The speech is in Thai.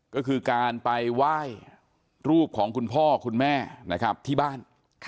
ก็คือการไปไหว้รูปของคุณพ่อคุณแม่นะครับที่บ้าน